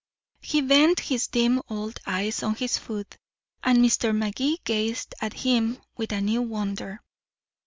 He bent his dim old eyes on his food, and Mr. Magee gazed at him with a new wonder.